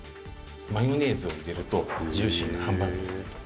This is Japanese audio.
「マヨネーズを入れるとジューシーなハンバーグに」